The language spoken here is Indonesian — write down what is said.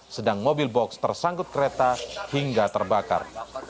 sedang mobil box tersangkut kereta hingga terbakar